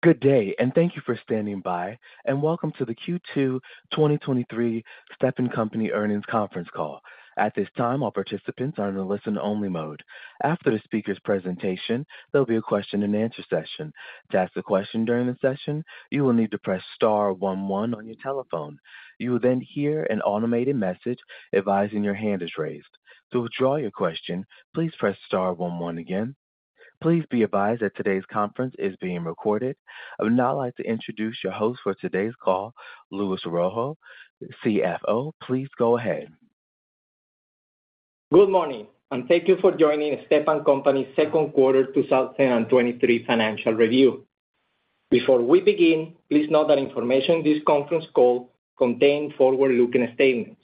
Good day, thank you for standing by, and welcome to the Q2 2023 Stepan Company Earnings Conference Call. At this time, all participants are in a listen-only mode. After the speaker's presentation, there'll be a question-and-answer session. To ask a question during the session, you will need to press star 11 on your telephone. You will hear an automated message advising your hand is raised. To withdraw your question, please press star 11 again. Please be advised that today's conference is being recorded. I would now like to introduce your host for today's call, Luis Rojo, CFO. Please go ahead. Good morning, thank you for joining Stepan Company's second quarter 2023 financial review. Before we begin, please note that information in this conference call contain forward-looking statements,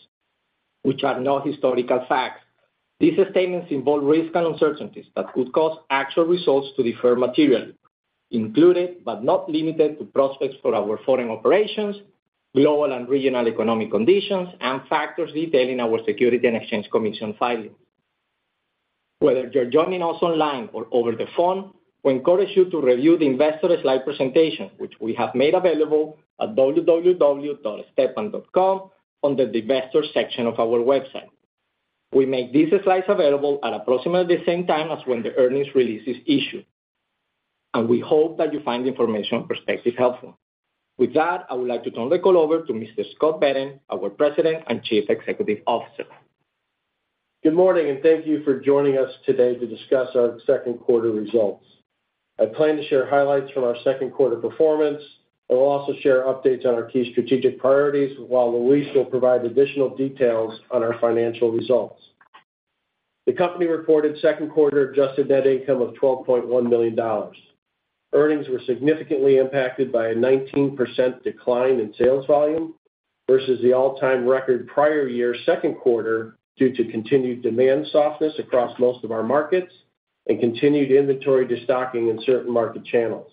which are not historical facts. These statements involve risks and uncertainties that could cause actual results to differ materially, including, but not limited to, prospects for our foreign operations, global and regional economic conditions, and factors detailed in our Securities and Exchange Commission filing. Whether you're joining us online or over the phone, we encourage you to review the investor slide presentation, which we have made available at www.stepan.com under the Investor section of our website. We make these slides available at approximately the same time as when the earnings release is issued, and we hope that you find the information perspective helpful. With that, I would like to turn the call over to Mr. Scott Behrens, our President and Chief Executive Officer. Good morning, and thank you for joining us today to discuss our second quarter results. I plan to share highlights from our second quarter performance. I will also share updates on our key strategic priorities, while Luis will provide additional details on our financial results. The company reported second quarter adjusted net income of $12.1 million. Earnings were significantly impacted by a 19% decline in sales volume versus the all-time record prior year second quarter, due to continued demand softness across most of our markets and continued inventory destocking in certain market channels.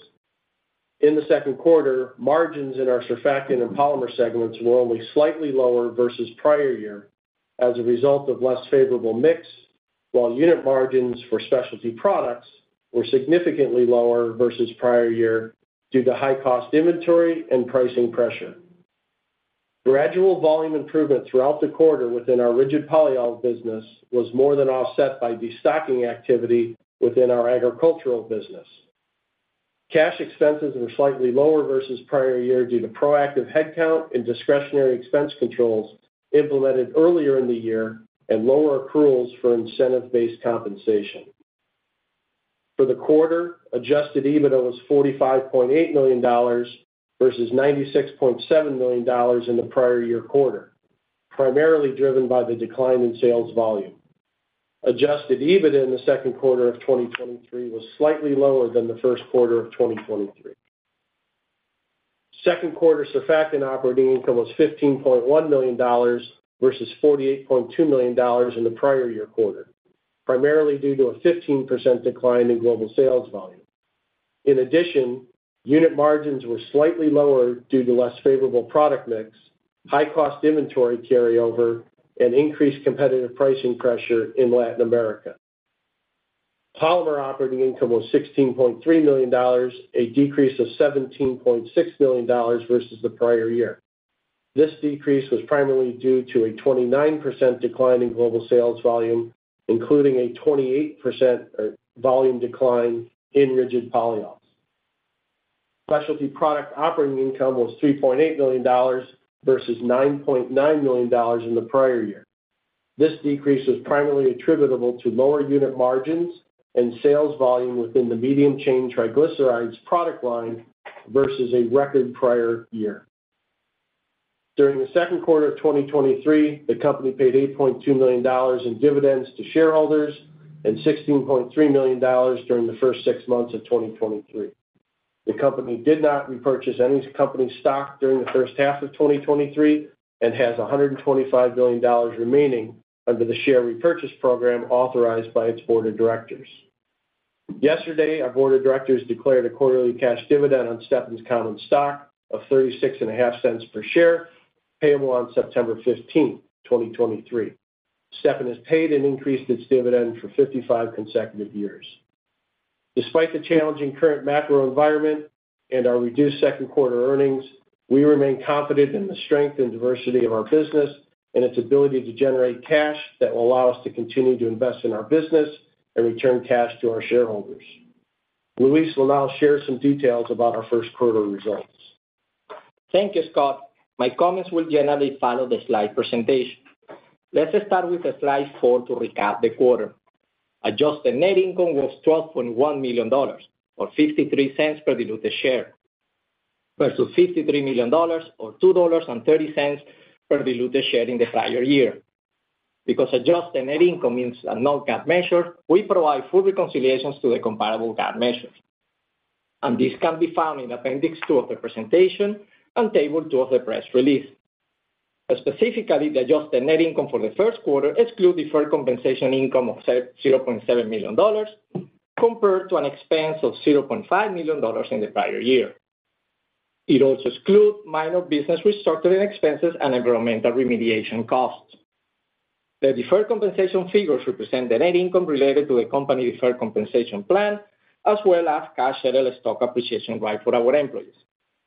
In the second quarter, margins in our Surfactant and Polymer segments were only slightly lower versus prior year as a result of less favorable mix, while unit margins for Specialty Products were significantly lower versus prior year due to high cost inventory and pricing pressure. Gradual volume improvement throughout the quarter within our rigid polyol business was more than offset by destocking activity within our agricultural business. Cash expenses were slightly lower versus prior year due to proactive headcount and discretionary expense controls implemented earlier in the year and lower accruals for incentive-based compensation. For the quarter, adjusted EBITDA was $45.8 million, versus $96.7 million in the prior year quarter, primarily driven by the decline in sales volume. Adjusted EBIT in the second quarter of 2023 was slightly lower than the first quarter of 2023. Second quarter Surfactant operating income was $15.1 million versus $48.2 million in the prior year quarter, primarily due to a 15% decline in global sales volume. Unit margins were slightly lower due to less favorable product mix, high cost inventory carryover, and increased competitive pricing pressure in Latin America. Polymer operating income was $16.3 million, a decrease of $17.6 million versus the prior year. This decrease was primarily due to a 29% decline in global sales volume, including a 28% volume decline in rigid polyols. Specialty Products operating income was $3.8 million versus $9.9 million in the prior year. This decrease is primarily attributable to lower unit margins and sales volume within the medium-chain triglycerides product line versus a record prior year. During the second quarter of 2023, the company paid $8.2 million in dividends to shareholders and $16.3 million during the first six months of 2023. The company did not repurchase any company stock during the first half of 2023 and has $125 million remaining under the share repurchase program authorized by its Board of Directors. Yesterday, our Board of Directors declared a quarterly cash dividend on Stepan's common stock of $0.365 per share, payable on September 15, 2023. Stepan has paid and increased its dividend for 55 consecutive years. Despite the challenging current macro environment and our reduced second quarter earnings, we remain confident in the strength and diversity of our business and its ability to generate cash that will allow us to continue to invest in our business and return cash to our shareholders. Luis will now share some details about our first quarter results. Thank you, Scott. My comments will generally follow the slide presentation. Let's start with slide 4 to recap the quarter. Adjusted net income was $12.1 million, or $0.53 per diluted share, versus $53 million, or $2.30 per diluted share in the prior year. Because adjusted net income is a non-GAAP measure, we provide full reconciliations to the comparable GAAP measures, and this can be found in appendix 2 of the presentation and table 2 of the press release. Specifically, the adjusted net income for the first quarter exclude deferred compensation income of $0.7 million, compared to an expense of $0.5 million in the prior year. It also excludes minor business restructuring expenses and environmental remediation costs. The deferred compensation figures represent the net income related to a company deferred compensation plan, as well as cash settled stock appreciation right for our employees.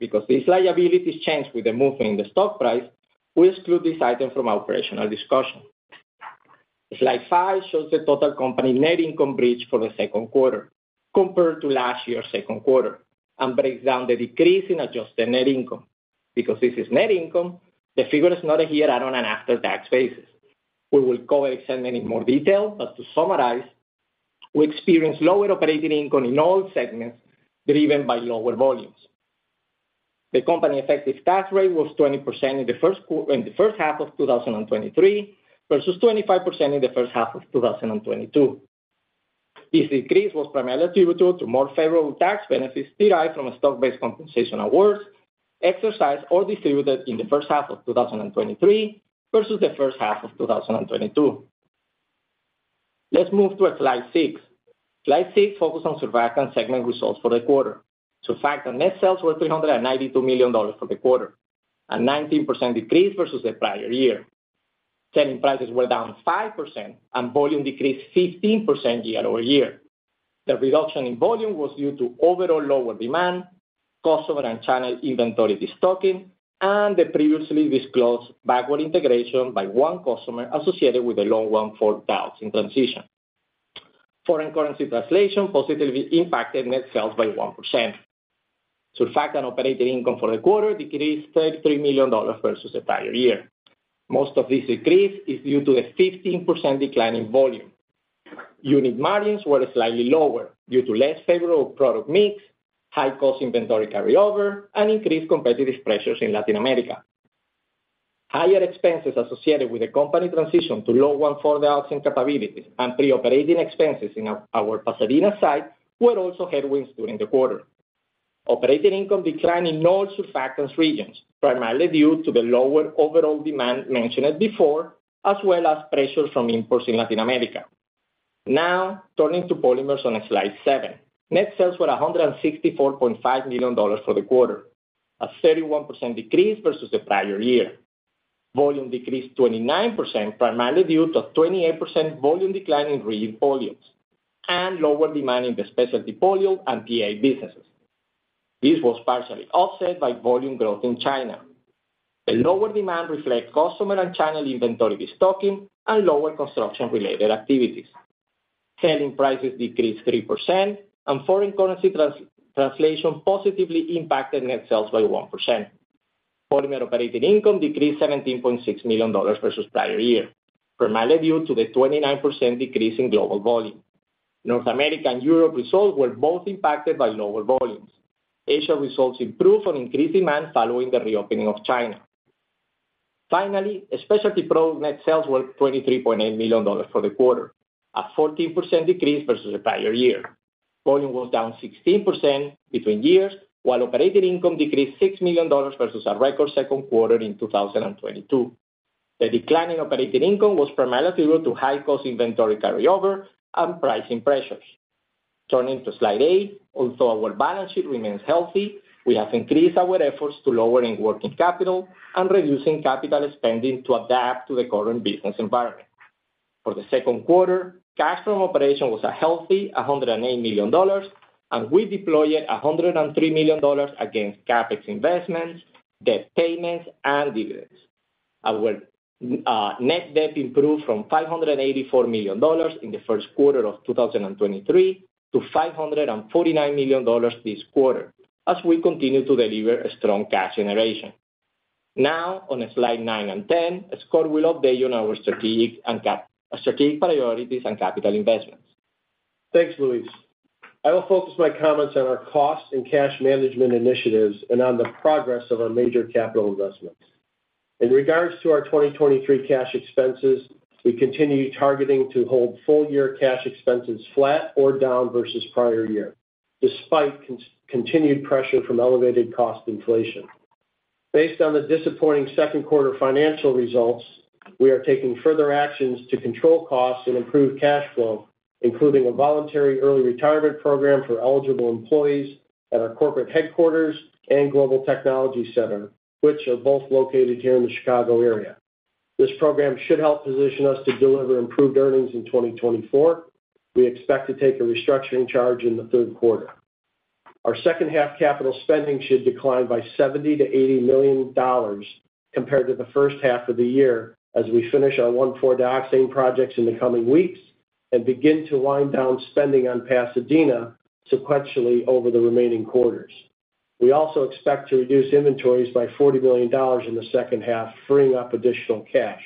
These liabilities change with the movement in the stock price, we exclude this item from our operational discussion. Slide 5 shows the total company net income bridge for the second quarter compared to last year's second quarter, breaks down the decrease in adjusted net income. This is net income, the figure is noted here on an after-tax basis. We will go and examine in more detail, to summarize, we experienced lower operating income in all segments, driven by lower volumes. The company effective tax rate was 20% in the first half of 2023, versus 25% in the first half of 2022. This decrease was primarily attributable to more favorable tax benefits derived from a stock-based compensation awards, exercised or distributed in the first half of 2023 versus the first half of 2022. Let's move to slide 6. Slide 6 focus on Surfactant segment results for the quarter. Our net sales were $392 million for the quarter, a 19% decrease versus the prior year. Selling prices were down 5%, and volume decreased 15% year-over-year. The reduction in volume was due to overall lower demand, customer and channel inventory destocking, and the previously disclosed backward integration by one customer associated with the low 1,4-dioxane in transition. Foreign currency translation positively impacted net sales by 1%. Surfactant operating income for the quarter decreased $33 million versus the prior year. Most of this decrease is due to a 15% decline in volume. Unit margins were slightly lower due to less favorable product mix, high cost inventory carryover, and increased competitive pressures in Latin America. Higher expenses associated with the company transition to low 1,4-dioxane capabilities and pre-operating expenses in our Pasadena site were also headwinds during the quarter. Operating income declined in all Surfactant regions, primarily due to the lower overall demand mentioned before, as well as pressures from imports in Latin America. Turning to Polymer on slide 7. Net sales were $164.5 million for the quarter, a 31% decrease versus the prior year. Volume decreased 29%, primarily due to a 28% volume decline in Rigid Polyols, and lower demand in the specialty polyol and PA businesses. This was partially offset by volume growth in China. The lower demand reflects customer and channel inventory destocking and lower construction-related activities. Selling prices decreased 3%, and foreign currency translation positively impacted net sales by 1%. Polymer operating income decreased $17.6 million versus prior year, primarily due to the 29% decrease in global volume. North America and Europe results were both impacted by lower volumes. Asia results improved on increased demand following the reopening of China. Finally, Specialty Products net sales were $23.8 million for the quarter, a 14% decrease versus the prior year. Volume was down 16% between years, while operating income decreased $6 million versus a record second quarter in 2022. The decline in operating income was primarily due to high cost inventory carryover and pricing pressures. Turning to slide 8, although our balance sheet remains healthy, we have increased our efforts to lowering working capital and reducing CapEx to adapt to the current business environment. For the second quarter, cash from operation was a healthy $180 million, and we deployed $103 million against CapEx investments, debt payments, and dividends. Our net debt improved from $584 million in the first quarter of 2023 to $549 million this quarter, as we continue to deliver a strong cash generation. On slide 9 and 10, Scott will update you on our strategic priorities and capital investments. Thanks, Luis. I will focus my comments on our cost and cash management initiatives. On the progress of our major capital investments, in regards to our 2023 cash expenses, we continue targeting to hold full-year cash expenses flat or down versus prior year, despite continued pressure from elevated cost inflation. Based on the disappointing 2Q financial results, we are taking further actions to control costs and improve cash flow, including a voluntary early retirement program for eligible employees at our corporate headquarters and Global Technology Center, which are both located here in the Chicago area. This program should help position us to deliver improved earnings in 2024. We expect to take a restructuring charge in the 3Q. Our second half capital spending should decline by $70 million-$80 million compared to the first half of the year, as we finish our 1,4-dioxane projects in the coming weeks and begin to wind down spending on Pasadena sequentially over the remaining quarters. We also expect to reduce inventories by $40 million in the second half, freeing up additional cash.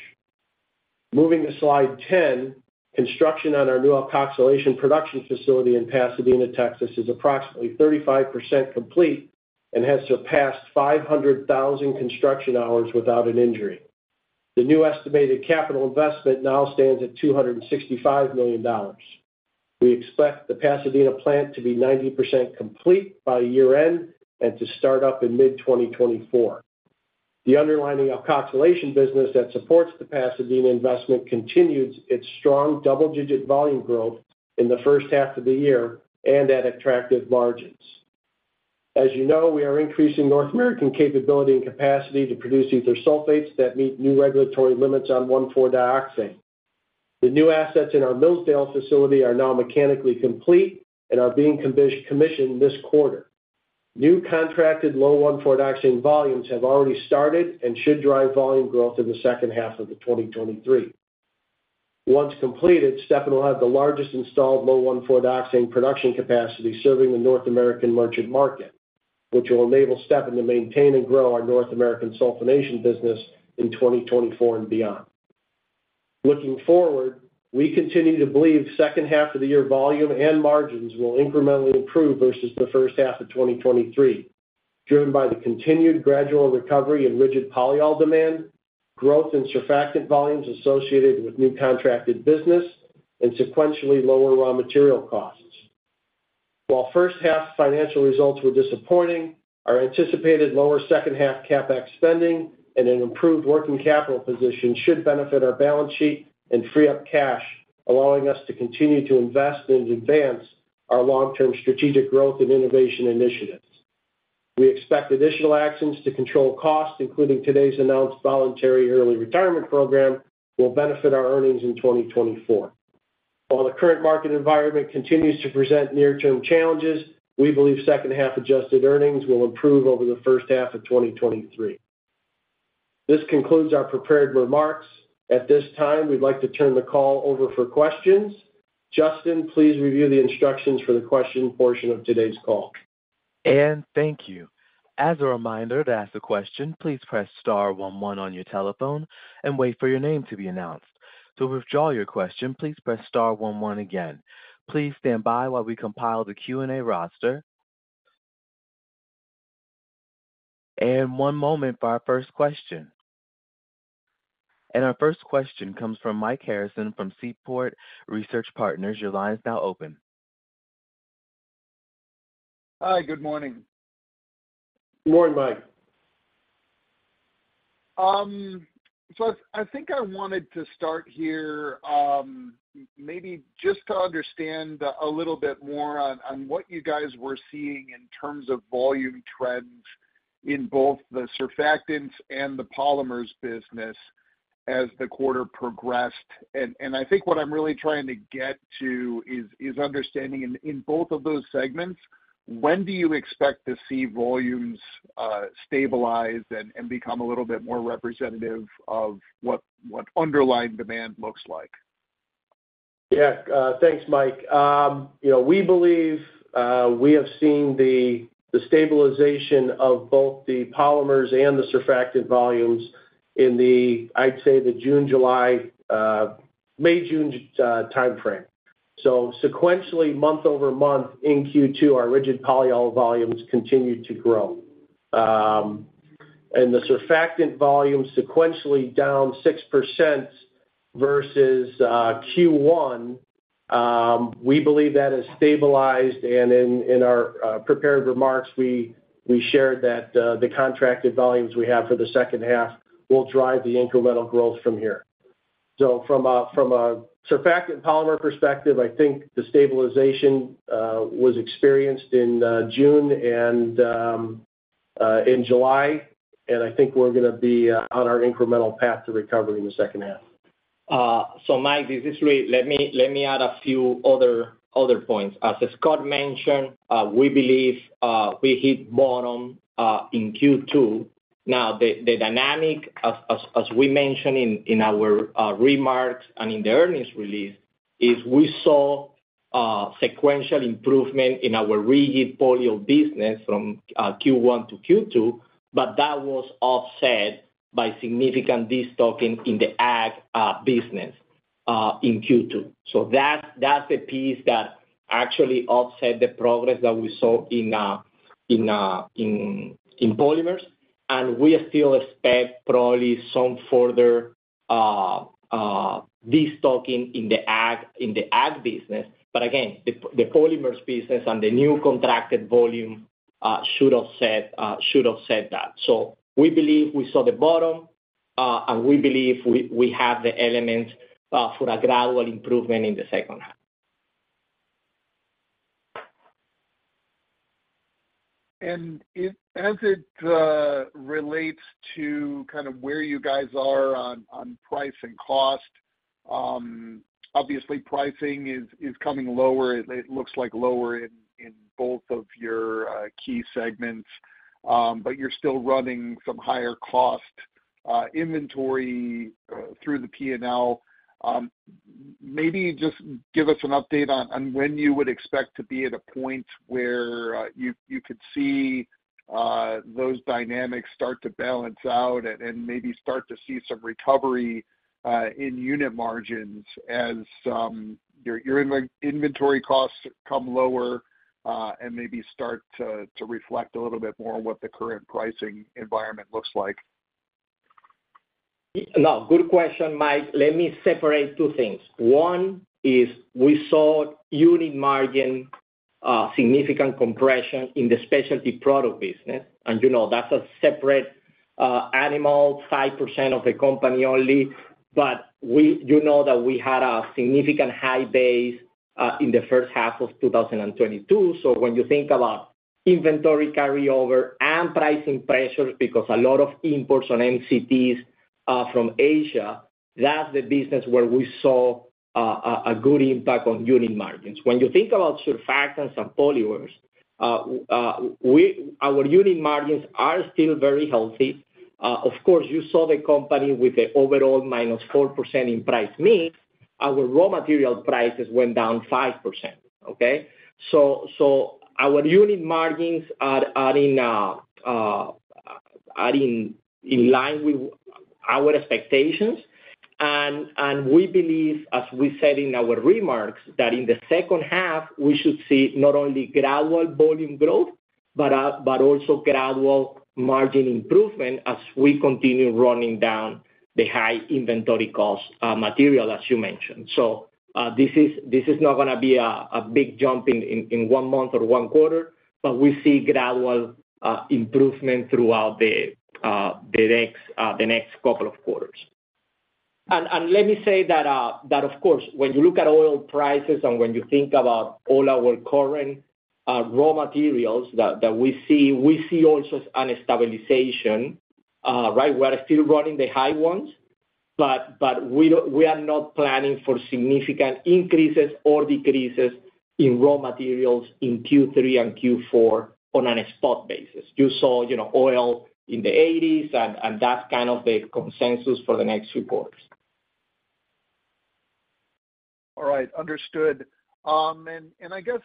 Moving to slide 10. Construction on our new epoxidation production facility in Pasadena, Texas, is approximately 35% complete and has surpassed 500,000 construction hours without an injury. The new estimated capital investment now stands at $265 million. We expect the Pasadena plant to be 90% complete by year-end and to start up in mid-2024. The underlying alkylation business that supports the Pasadena investment continued its strong double-digit volume growth in the first half of the year and at attractive margins. As you know, we are increasing North American capability and capacity to produce ether sulfates that meet new regulatory limits on 1,4-dioxane. The new assets in our Millsdale facility are now mechanically complete and are being commissioned this quarter. New contracted low 1,4-dioxane volumes have already started and should drive volume growth in the second half of 2023. Once completed, Stepan will have the largest installed low 1,4-dioxane production capacity serving the North American merchant market, which will enable Stepan to maintain and grow our North American sulfonation business in 2024 and beyond. Looking forward, we continue to believe second half of the year volume and margins will incrementally improve versus the first half of 2023, driven by the continued gradual recovery in rigid polyol demand, growth in surfactant volumes associated with new contracted business, and sequentially lower raw material costs. While first half financial results were disappointing, our anticipated lower second half CapEx spending and an improved working capital position should benefit our balance sheet and free up cash, allowing us to continue to invest and advance our long-term strategic growth and innovation initiatives. We expect additional actions to control costs, including today's announced voluntary early retirement program, will benefit our earnings in 2024. While the current market environment continues to present near-term challenges, we believe second half adjusted earnings will improve over the first half of 2023. This concludes our prepared remarks. At this time, we'd like to turn the call over for questions. Justin, please review the instructions for the question portion of today's call. Thank you. As a reminder, to ask a question, please press star one on your telephone and wait for your name to be announced. To withdraw your question, please press star one again. Please stand by while we compile the Q&A roster. One moment for our first question. Our first question comes from Mike Harrison from Seaport Research Partners. Your line is now open. Hi, good morning. Good morning, Mike. I think I wanted to start here, maybe just to understand a little bit more on what you guys were seeing in terms of volume trends in both the Surfactants and the Polymer business as the quarter progressed. I think what I'm really trying to get to is understanding in both of those segments, when do you expect to see volumes stabilize and become a little bit more representative of what underlying demand looks like? Thanks, Mike. You know, we believe we have seen the stabilization of both the Polymer and the Surfactant volumes in the, I'd say, the June, July, May, June timeframe. Sequentially, month-over-month in Q2, our rigid polyol volumes continued to grow. And the Surfactant volume sequentially down 6% versus Q1, we believe that has stabilized, and in our prepared remarks, we shared that the contracted volumes we have for the second half will drive the incremental growth from here. From a, from a Surfactant Polymer perspective, I think the stabilization was experienced in June and in July, and I think we're gonna be on our incremental path to recovery in the second half. Mike, this is Luis. Let me add a few other points. As Scott mentioned, we believe we hit bottom in Q2. The dynamic as we mentioned in our remarks and in the earnings release, is we saw sequential improvement in our rigid polyol business from Q1 to Q2, but that was offset by significant destocking in the ag business in Q2. That's the piece that actually offset the progress that we saw in Polymers, and we still expect probably some further destocking in the ag business. Again, the Polymers business and the new contracted volume should offset that. We believe we saw the bottom, and we believe we have the elements for a gradual improvement in the second half. If, as it relates to kind of where you guys are on price and cost, obviously pricing is coming lower. It looks like lower in both of your key segments, but you're still running some higher cost inventory through the P&L. Maybe just give us an update on when you would expect to be at a point where you could see those dynamics start to balance out and maybe start to see some recovery in unit margins as your inventory costs come lower, and maybe start to reflect a little bit more on what the current pricing environment looks like? Good question, Mike Harrison. Let me separate two things. One is we saw unit margin, significant compression in the Specialty Products business, and you know, that's a separate animal, 5% of the company only. You know that we had a significant high base in the first half of 2022. When you think about inventory carryover and pricing pressures, because a lot of imports on MCTs are from Asia, that's the business where we saw a good impact on unit margins. When you think about Surfactants and Polymers, our unit margins are still very healthy. Of course, you saw the company with a overall -4% in price mix. Our raw material prices went down 5%, okay? Our unit margins are in line with our expectations. We believe, as we said in our remarks, that in the second half, we should see not only gradual volume growth, but also gradual margin improvement as we continue running down the high inventory cost material, as you mentioned. This is not gonna be a big jump in one month or one quarter, but we see gradual improvement throughout the next couple of quarters. Let me say that of course, when you look at oil prices and when you think about all our current raw materials that we see, we see also a stabilization, right? We are still running the high ones, but we are not planning for significant increases or decreases in raw materials in Q3 and Q4 on a spot basis. You saw, you know, oil in the $80s, and that's kind of the consensus for the next two quarters. All right, understood. I guess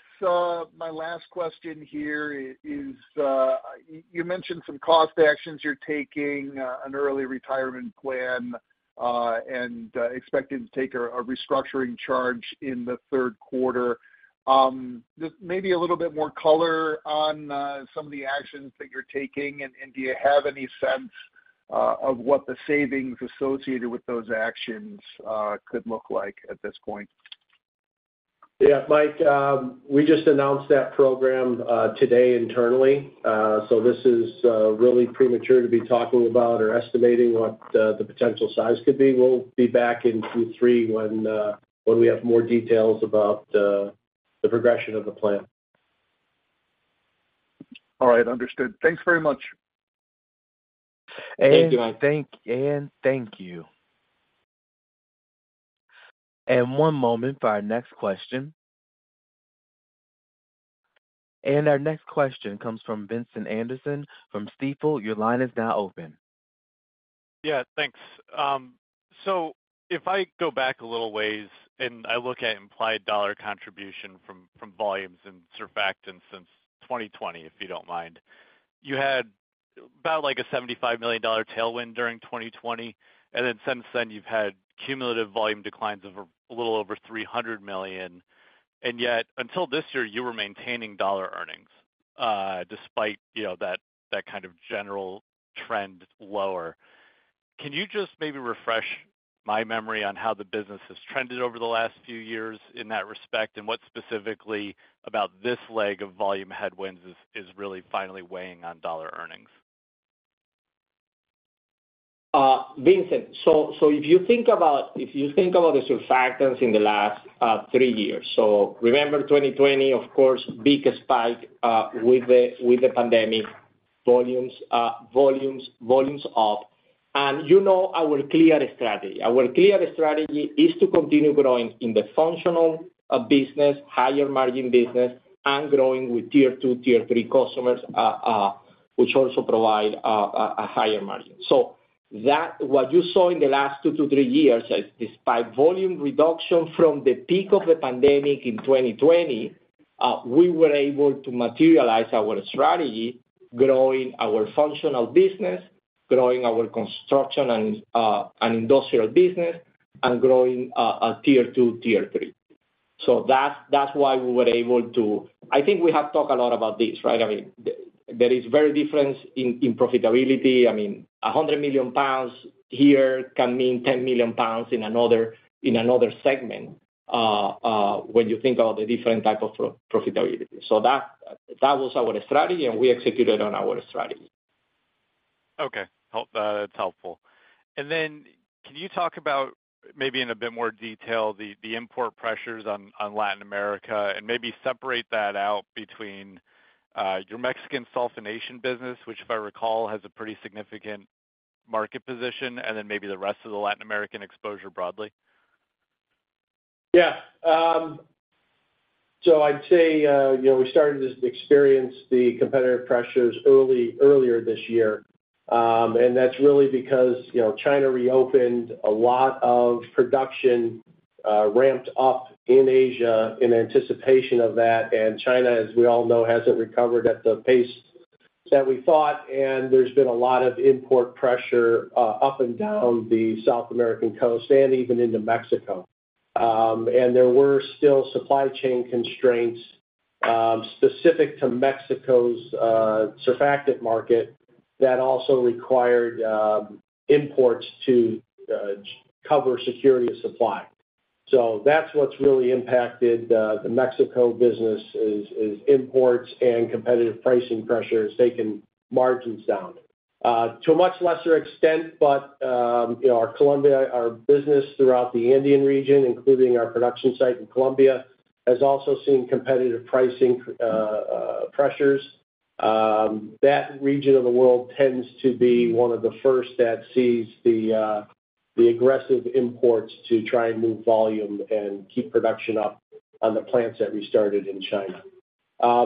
my last question here is you mentioned some cost actions you're taking, an early retirement plan, and expecting to take a restructuring charge in the third quarter. Just maybe a little bit more color on some of the actions that you're taking. Do you have any sense of what the savings associated with those actions could look like at this point? Yeah, Mike, we just announced that program today internally. This is really premature to be talking about or estimating what the potential size could be. We'll be back in Q3 when we have more details about the progression of the plan. All right, understood. Thanks very much. Thank you, Mike. Thank you. One moment for our next question. Our next question comes from Vincent Anderson from Stifel. Your line is now open. Yeah, thanks. If I go back a little ways, and I look at implied dollar contribution from volumes and surfactants since 2020, if you don't mind, you had about, like, a $75 million tailwind during 2020, and then since then you've had cumulative volume declines of a little over $300 million. Until this year, you were maintaining dollar earnings, despite, you know, that kind of general trend lower. Can you just maybe refresh my memory on how the business has trended over the last few years in that respect? What specifically about this leg of volume headwinds is really finally weighing on dollar earnings? Vincent, so if you think about the surfactants in the last 3 years, so remember 2020, of course, big spike with the pandemic. Volumes, volumes up. You know our clear strategy is to continue growing in the functional business, higher margin business, and growing with tier two, tier three customers, which also provide a higher margin. What you saw in the last 2-3 years is, despite volume reduction from the peak of the pandemic in 2020, we were able to materialize our strategy, growing our functional business, growing our construction and industrial business, and growing tier two, tier three. That's why we were able to... I think we have talked a lot about this, right? I mean, there is very difference in profitability. I mean, 100 million pounds here can mean 10 million pounds in another, in another segment, when you think about the different type of profitability. That was our strategy, and we executed on our strategy. Okay, hope, that's helpful. Can you talk about maybe in a bit more detail, the import pressures on Latin America, and maybe separate that out between your Mexican sulfonation business, which, if I recall, has a pretty significant market position, and then maybe the rest of the Latin American exposure broadly? Yeah. I'd say, you know, we started to experience the competitive pressures earlier this year. That's really because, you know, China reopened, a lot of production ramped up in Asia in anticipation of that. China, as we all know, hasn't recovered at the pace that we thought, and there's been a lot of import pressure up and down the South American coast and even into Mexico. There were still supply chain constraints... specific to Mexico's surfactant market, that also required imports to cover security of supply. That's what's really impacted the Mexico business is imports and competitive pricing pressures taking margins down. to a much lesser extent, but, you know, our Colombia, our business throughout the Andean region, including our production site in Colombia, has also seen competitive pricing, pressures. That region of the world tends to be one of the first that sees the aggressive imports to try and move volume and keep production up on the plants that we started in China.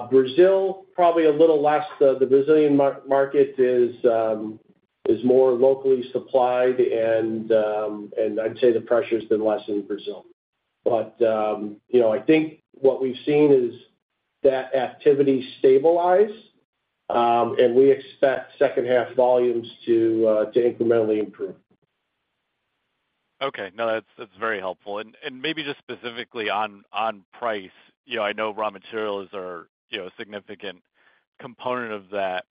Brazil, probably a little less. The Brazilian market is more locally supplied, and I'd say the pressure's been less in Brazil. You know, I think what we've seen is that activity stabilize, and we expect second half volumes to incrementally improve. Okay. No, that's very helpful. Maybe just specifically on price, you know, I know raw materials are, you know, a significant component of that.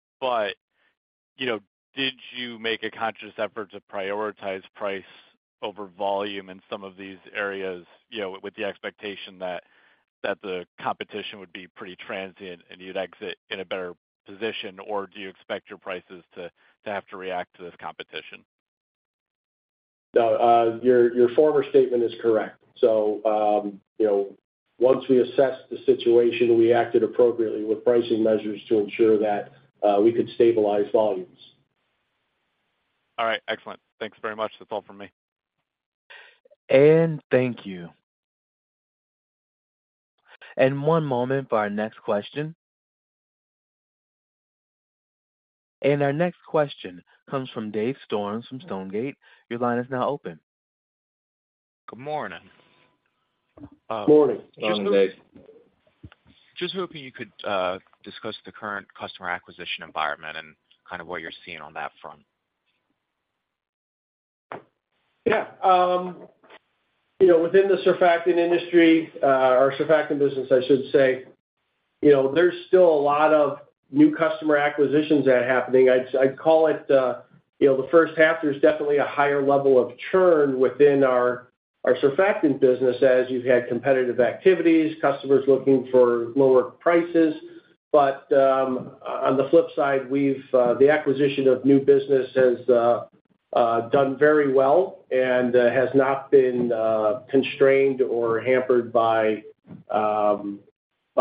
You know, did you make a conscious effort to prioritize price over volume in some of these areas, you know, with the expectation that the competition would be pretty transient and you'd exit in a better position? Do you expect your prices to have to react to this competition? No, your former statement is correct. You know, once we assessed the situation, we acted appropriately with pricing measures to ensure that we could stabilize volumes. All right. Excellent. Thanks very much. That's all from me. Thank you. One moment for our next question. Our next question comes from Dave Storms from Stonegate. Your line is now open. Good morning. Morning, Dave. Hoping you could discuss the current customer acquisition environment and kind of what you're seeing on that front. Yeah. You know, within the surfactant industry, our surfactant business, I should say, you know, there's still a lot of new customer acquisitions that are happening. I'd call it, you know, the first half, there's definitely a higher level of churn within our surfactant business as you've had competitive activities, customers looking for lower prices. On the flip side, we've the acquisition of new business has done very well and has not been constrained or hampered by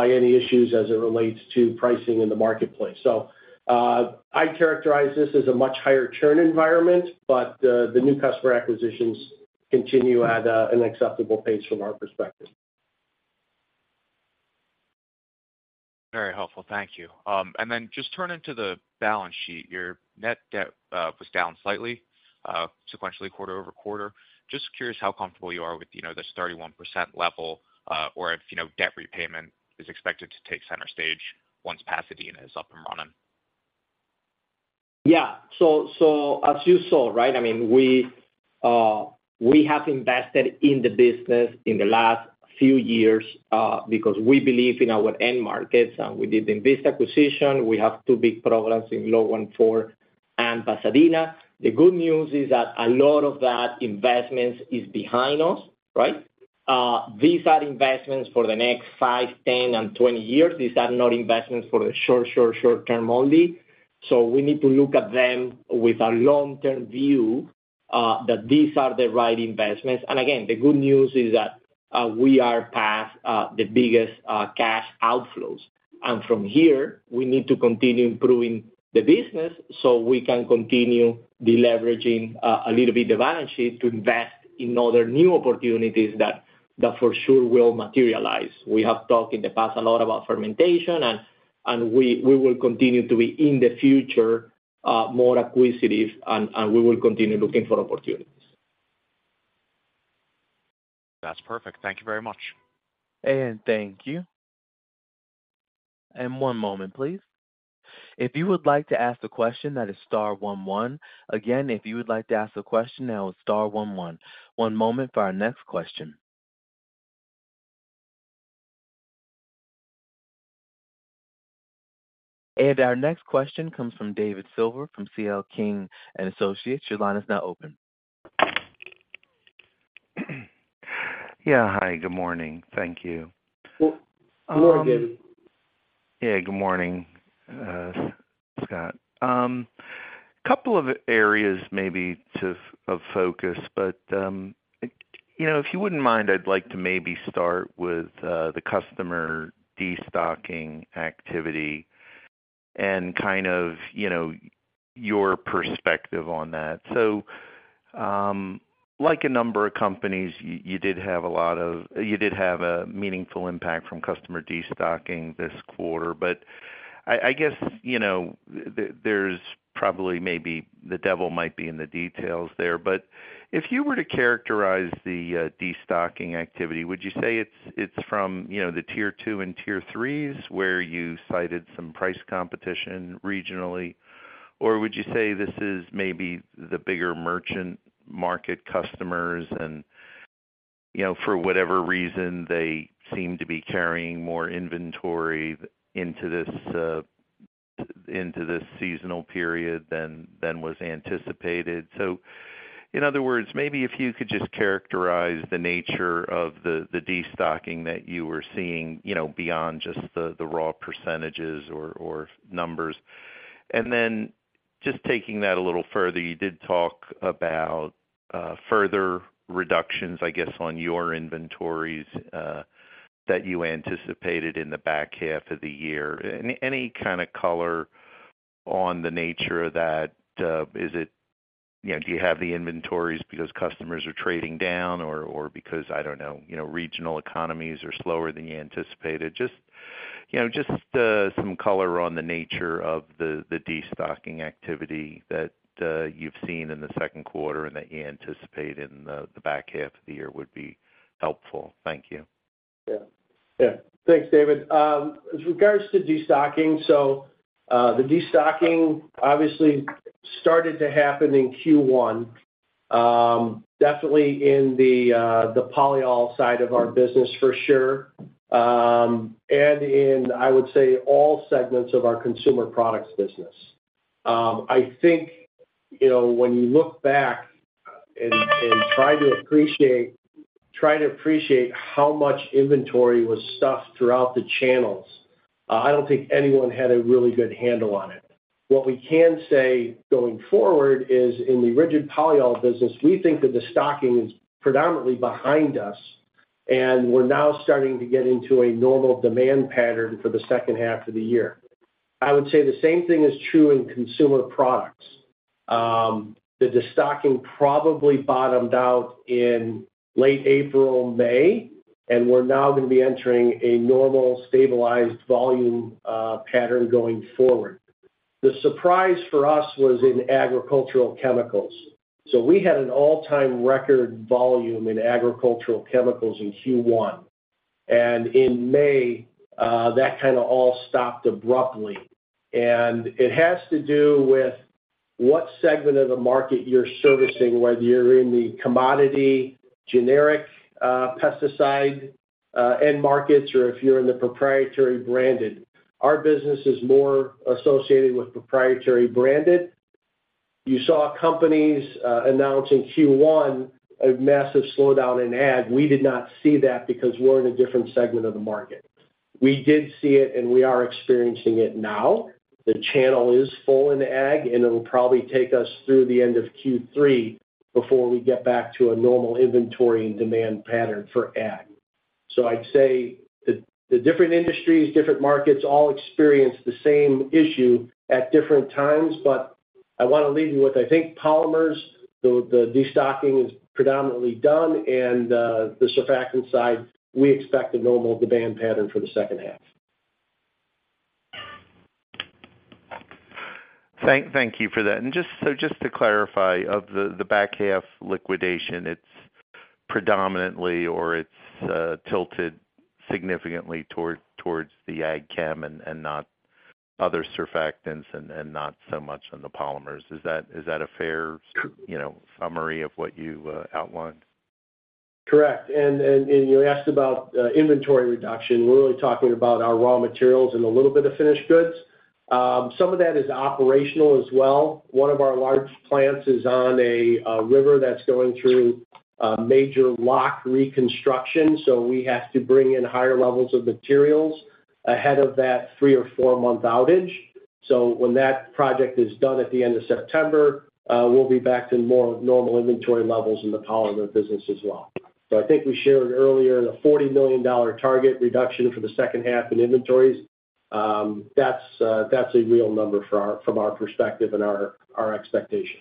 any issues as it relates to pricing in the marketplace. I'd characterize this as a much higher churn environment, but the new customer acquisitions continue at an acceptable pace from our perspective. Very helpful. Thank you. Just turning to the balance sheet, your net debt was down slightly, sequentially, quarter-over-quarter. Just curious how comfortable you are with, you know, this 31% level, or if, you know, debt repayment is expected to take center stage once Pasadena is up and running? As you saw, right, I mean, we have invested in the business in the last few years because we believe in our end markets, and we did the INVISTA acquisition. We have two big programs in low 1,4 and Pasadena. The good news is that a lot of that investments is behind us, right? These are investments for the next 5, 10, and 20 years. These are not investments for the short term only. We need to look at them with a long-term view that these are the right investments. Again, the good news is that we are past the biggest cash outflows. From here, we need to continue improving the business so we can continue deleveraging a little bit the balance sheet to invest in other new opportunities that for sure will materialize. We have talked in the past a lot about fermentation and we will continue to be, in the future, more acquisitive, and we will continue looking for opportunities. That's perfect. Thank you very much. Thank you. One moment, please. If you would like to ask a question, that is star one one. Again, if you would like to ask a question, that was star one one. One moment for our next question. Our next question comes from David Silver, from C.L. King & Associates. Your line is now open. Yeah, hi, good morning. Thank you. Good morning. Good morning, Scott. Couple of areas maybe to, of focus, but, you know, if you wouldn't mind, I'd like to maybe start with the customer destocking activity and kind of, you know, your perspective on that. Like a number of companies, you did have a meaningful impact from customer destocking this quarter. I guess, you know, there's probably maybe the devil might be in the details there. If you were to characterize the destocking activity, would you say it's from, you know, the tier two and tier threes, where you cited some price competition regionally? Would you say this is maybe the bigger merchant market customers and, you know, for whatever reason, they seem to be carrying more inventory into this seasonal period than was anticipated? In other words, maybe if you could just characterize the nature of the destocking that you were seeing, you know, beyond just the raw percentages or numbers. Then just taking that a little further, you did talk about further reductions, I guess, on your inventories that you anticipated in the back half of the year. Any kind of color on the nature of that? Is it, you know, do you have the inventories because customers are trading down or because, I don't know, you know, regional economies are slower than you anticipated? Just, you know, some color on the nature of the destocking activity that you've seen in the second quarter and that you anticipate in the back half of the year would be helpful. Thank you. Yeah. Yeah. Thanks, David. With regards to destocking, the destocking obviously started to happen in Q1. Definitely in the polyol side of our business for sure, and in, I would say, all segments of our consumer products business. I think, you know, when you look back and try to appreciate how much inventory was stuffed throughout the channels, I don't think anyone had a really good handle on it. What we can say going forward is, in the rigid polyol business, we think that the stocking is predominantly behind us, and we're now starting to get into a normal demand pattern for the second half of the year. I would say the same thing is true in consumer products. The destocking probably bottomed out in late April, May, and we're now gonna be entering a normal, stabilized volume pattern going forward. The surprise for us was in agricultural chemicals. We had an all-time record volume in agricultural chemicals in Q1, and in May, that kind of all stopped abruptly. It has to do with what segment of the market you're servicing, whether you're in the commodity, generic, pesticide, end markets, or if you're in the proprietary branded. Our business is more associated with proprietary branded. You saw companies announce in Q1, a massive slowdown in ag. We did not see that because we're in a different segment of the market. We did see it, and we are experiencing it now. The channel is full in ag. It'll probably take us through the end of Q3 before we get back to a normal inventory and demand pattern for ag. I'd say the different industries, different markets, all experience the same issue at different times. I want to leave you with, I think, Polymer. The destocking is predominantly done, and the Surfactant side, we expect a normal demand pattern for the second half. Thank you for that. Just to clarify, of the back half liquidation, it's predominantly or it's tilted significantly towards the ag chem and not other Surfactants and not so much on the Polymers. Is that a fair- Sure... you know, summary of what you outlined? Correct. You asked about inventory reduction. We're only talking about our raw materials and a little bit of finished goods. Some of that is operational as well. One of our large plants is on a river that's going through major lock reconstruction, so we have to bring in higher levels of materials ahead of that three or four-month outage. When that project is done at the end of September, we'll be back to more normal inventory levels in the Polymer business as well. I think we shared earlier the $40 million target reduction for the second half in inventories. That's a real number from our perspective and our expectation.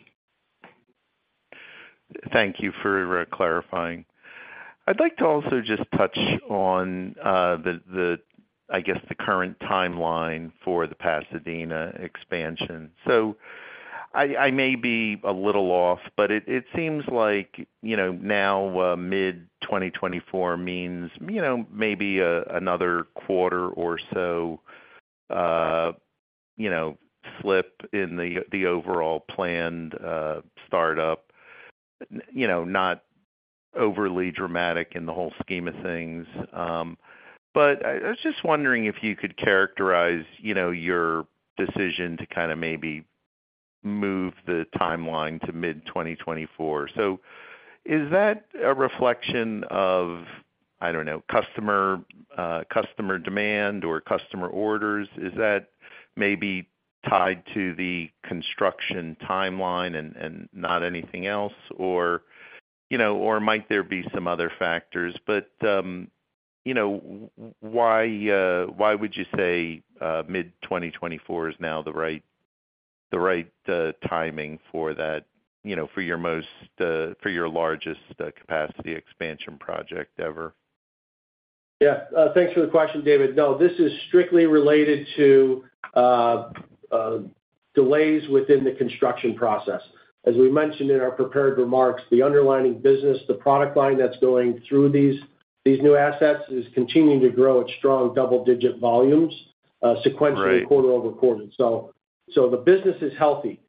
Thank you for clarifying. I'd like to also just touch on the, I guess, the current timeline for the Pasadena expansion. I may be a little off, but it seems like, you know, now, mid-2024 means, you know, maybe another quarter or so, you know, slip in the overall planned start up. You know, not overly dramatic in the whole scheme of things. I was just wondering if you could characterize, you know, your decision to kind of maybe move the timeline to mid-2024. Is that a reflection of, I don't know, customer demand or customer orders? Is that maybe tied to the construction timeline and not anything else, or, you know, might there be some other factors? You know, why would you say mid-2024 is now the right timing for that, you know, for your most, for your largest capacity expansion project ever? Thanks for the question, David. This is strictly related to delays within the construction process. As we mentioned in our prepared remarks, the underlying business, the product line that's going through these new assets is continuing to grow at strong double-digit volumes sequentially. Right. quarter-over-quarter. The business is healthy.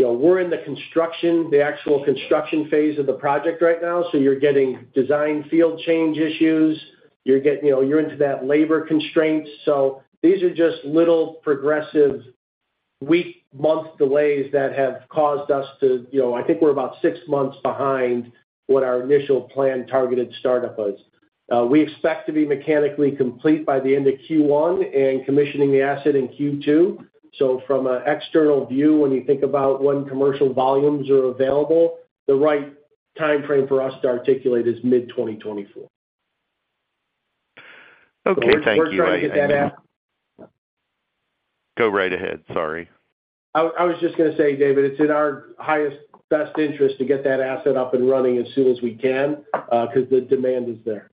you know, we're in the construction, the actual construction phase of the project right now. You're getting design field change issues. You're getting, you know, you're into that labor constraints. These are just little progressive week, month delays that have caused us to, you know, I think we're about six months behind what our initial plan targeted startup was. We expect to be mechanically complete by the end of Q1 and commissioning the asset in Q2. From an external view, when you think about when commercial volumes are available, the right timeframe for us to articulate is mid 2024. Okay, thank you. We're trying to get that out. Go right ahead, sorry. I was just gonna say, David, it's in our highest, best interest to get that asset up and running as soon as we can, 'cause the demand is there.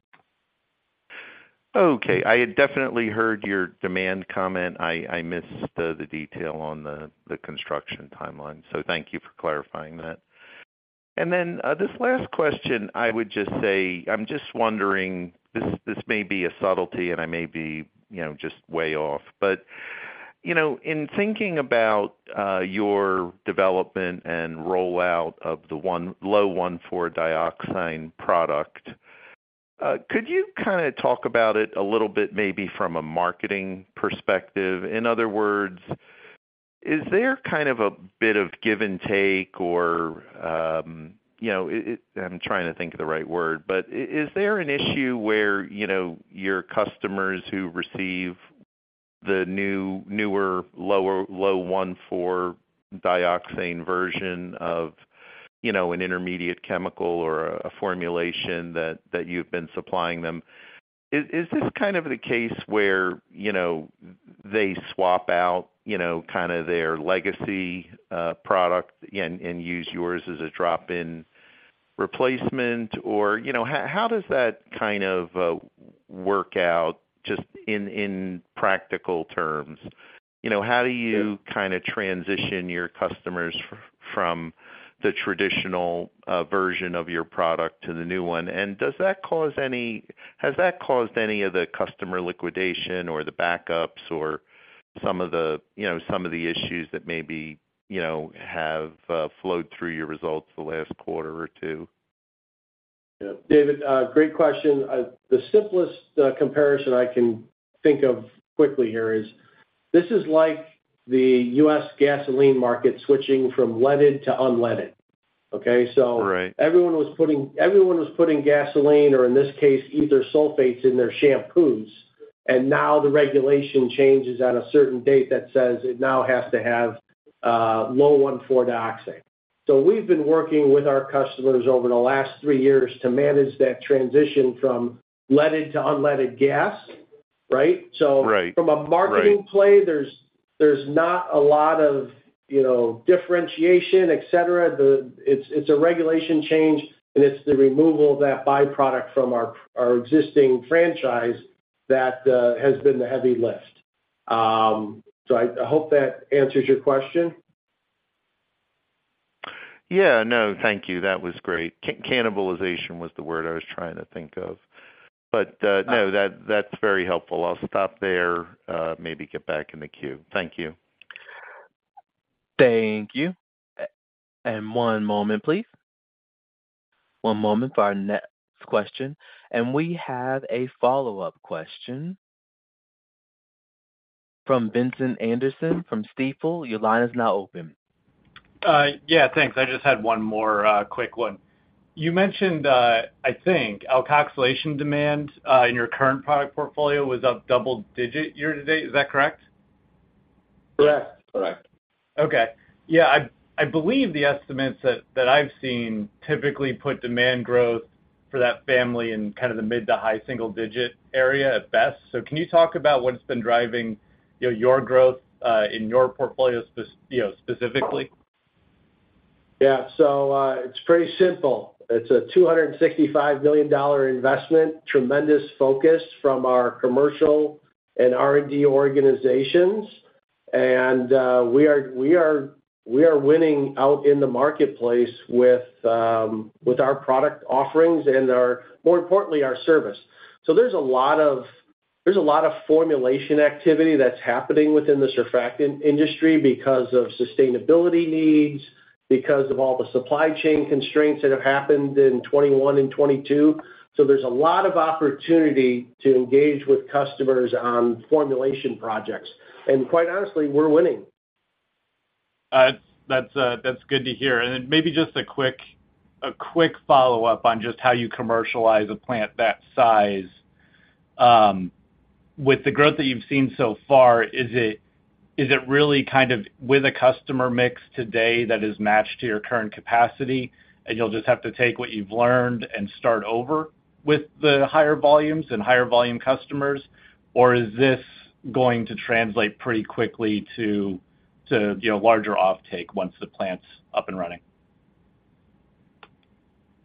Okay. I had definitely heard your demand comment. I missed the detail on the construction timeline, so thank you for clarifying that. This last question, I would just say, I'm just wondering, this may be a subtlety, and I may be, you know, just way off, but, you know, in thinking about your development and rollout of the low 1,4-dioxane product, could you kinda talk about it a little bit, maybe from a marketing perspective? In other words, is there kind of a bit of give and take or, you know, I'm trying to think of the right word, but is there an issue where, you know, your customers who receive the new, newer, low 1,4-dioxane version of, you know, an intermediate chemical or a formulation that you've been supplying them, is this kind of the case where, you know, they swap out, you know, kinda their legacy product and use yours as a drop-in replacement? Or, you know, how does that kind of work out just in practical terms? You know, how do you. Sure... kinda transition your customers from the traditional version of your product to the new one? Has that caused any of the customer liquidation or the backups or some of the, you know, some of the issues that maybe, you know, have flowed through your results the last quarter or two? David, great question. The simplest comparison I can think of quickly here is, this is like the U.S. gasoline market switching from leaded to unleaded, okay? Right. Everyone was putting gasoline, or in this case, ether sulfates in their shampoos. Now the regulation changes on a certain date that says it now has to have low 1,4-dioxane. We've been working with our customers over the last three years to manage that transition from leaded to unleaded gas, right? Right. From a marketing. Right... there's not a lot of, you know, differentiation, et cetera. It's a regulation change, and it's the removal of that byproduct from our existing franchise that has been the heavy lift. I hope that answers your question. Yeah. No, thank you. That was great. cannibalization was the word I was trying to think of. But, Right no, that's very helpful. I'll stop there, maybe get back in the queue. Thank you. Thank you. One moment, please. One moment for our next question. We have a follow-up question from Vincent Anderson from Stifel. Your line is now open. Thanks. I just had one more, quick one. You mentioned, I think, alkoxylation demand, in your current product portfolio was up double digit year to date. Is that correct? Yes, correct. Yeah, I believe the estimates that I've seen typically put demand growth for that family in kind of the mid to high single-digit area at best. Can you talk about what's been driving, you know, your growth in your portfolio, you know, specifically? It's pretty simple. It's a $265 million investment, tremendous focus from our commercial and R&D organizations, we are winning out in the marketplace with our product offerings and our, more importantly, our service. There's a lot of formulation activity that's happening within the surfactant industry because of sustainability needs, because of all the supply chain constraints that have happened in 2021 and 2022. There's a lot of opportunity to engage with customers on formulation projects. Quite honestly, we're winning. That's good to hear. Maybe just a quick follow-up on just how you commercialize a plant that size. With the growth that you've seen so far, is it really kind of with a customer mix today that is matched to your current capacity, and you'll just have to take what you've learned and start over with the higher volumes and higher volume customers? Or is this going to translate pretty quickly to, you know, larger offtake once the plant's up and running?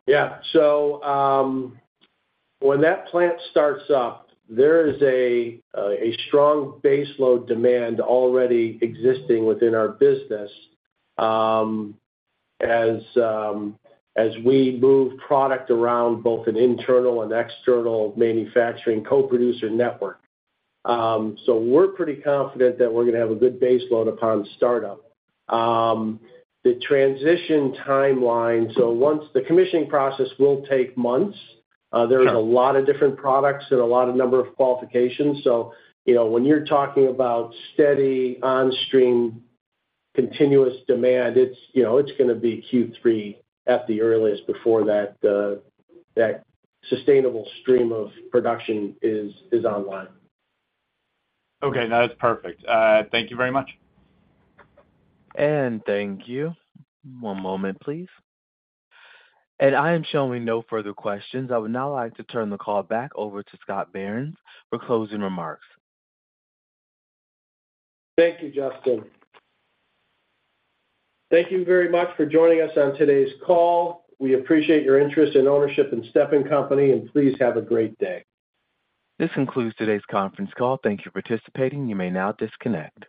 When that plant starts up, there is a strong baseload demand already existing within our business, as we move product around both an internal and external manufacturing co-producer network. We're pretty confident that we're gonna have a good baseload upon startup. The transition timeline, so once the commissioning process will take months. Sure. There are a lot of different products and a lot of number of qualifications. You know, when you're talking about steady, on-stream, continuous demand, it's, you know, it's gonna be Q3 at the earliest before that sustainable stream of production is online. Okay, that's perfect. Thank you very much. Thank you. One moment, please. I am showing no further questions. I would now like to turn the call back over to Scott Behrens for closing remarks. Thank you, Justin. Thank you very much for joining us on today's call. We appreciate your interest and ownership in Stepan Company, and please have a great day. This concludes today's conference call. Thank you for participating. You may now disconnect.